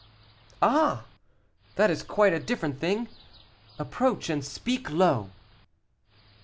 "Ah! that is quite a different thing. Approach, and speak low."